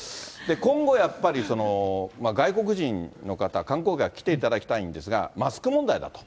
今後やっぱり、外国人の方、観光客、来ていただきたいんですが、マスク問題だと。